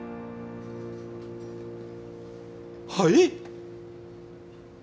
はい？